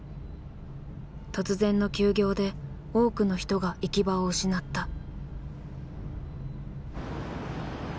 突然の休業で多くの人が行き場を失った。